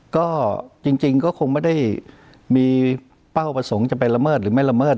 ก็จริงก็คงไม่ได้มีเป้าประสงค์จะไปละเมิดหรือไม่ละเมิด